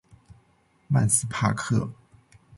曼斯帕克。